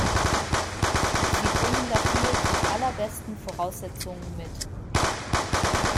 Sie bringen dafür die allerbesten Voraussetzungen mit.